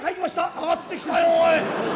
上がってきたよおい。